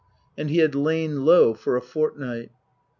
And he had lain low for a fortnight.